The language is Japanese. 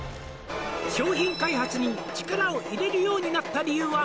「商品開発に力を入れるようになった理由は」